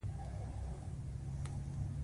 کاکړ د افغان تاریخ مهمه برخه دي.